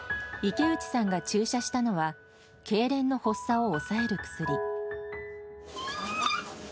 池内さんが注射したのは、けいれんの発作を抑える薬。